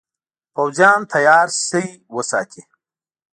پوځیان تیار سی وساتي.